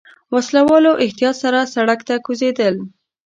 وسله والو احتياط سره سړک ته کوزېدل.